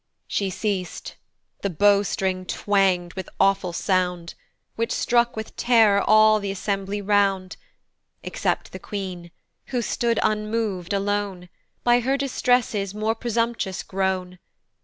She ceas'd, the bow string twang'd with awful sound, Which struck with terror all th' assembly round, Except the queen, who stood unmov'd alone, By her distresses more presumptuous grown.